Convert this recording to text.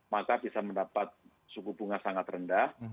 maka bisa mendapat suku bunga sangat rendah